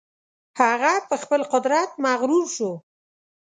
هغه په خپل قدرت مغرور شو.